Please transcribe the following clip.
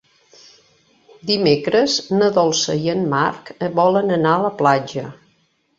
Dimecres na Dolça i en Marc volen anar a la platja.